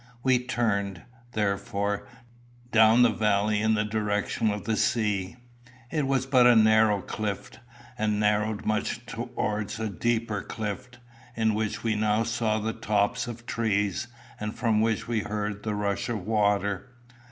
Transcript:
We turned, therefore, down the valley in the direction of the sea. It was but a narrow cleft, and narrowed much towards a deeper cleft, in which we now saw the tops of trees, and from which we heard the rush of water.